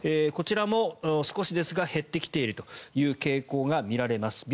こちらも少しですが減ってきているという傾向が見られます。